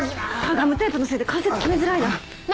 ガムテープのせいで関節決めづらいな。